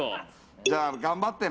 じゃあ頑張ってな。